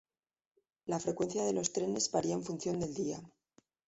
La frecuencia de los trenes varía en función del día.